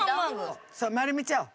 そう丸めちゃおう。